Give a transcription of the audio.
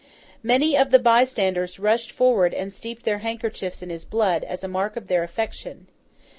Many of the bystanders rushed forward and steeped their handkerchiefs in his blood, as a mark of their affection.